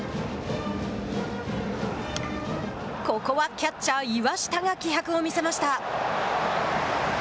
ここはキャッチャー岩下が気迫を見せました。